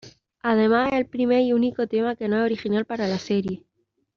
Además es el primer y único tema que no es original para la serie.